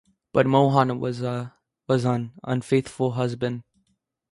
But Mohan was an unfaithful husband.